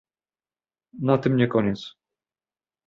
Na tym nie koniec